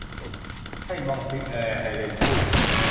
ใช่ มองซิเออร์ เฮเลนพูด